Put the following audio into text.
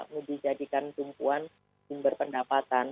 menjadikan tumpuan sumber pendapatan